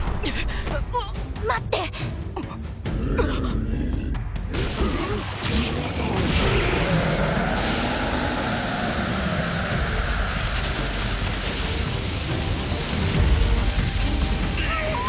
待ってうおっ！？